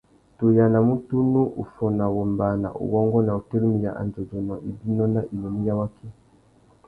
Tu yānamú tunu uffôna, wombāna, uwôngô na utirimiya andjôdjônô, ibinô na inúnú ya waki.